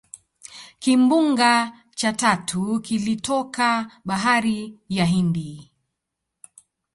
Kimbunga cha tatu kilitoka bahari ya hindi